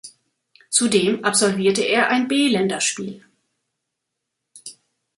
Zudem absolvierte er ein B-Länderspiel.